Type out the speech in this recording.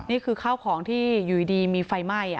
นี่คือข้าวของที่อยู่ดีมีไฟไหม้